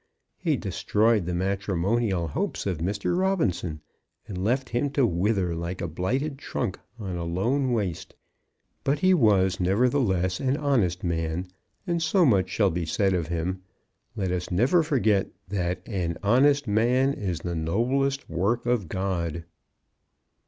He destroyed the matrimonial hopes of Mr. Robinson, and left him to wither like a blighted trunk on a lone waste. But he was, nevertheless, an honest man, and so much shall be said of him. Let us never forget that "An honest man is the noblest work of God."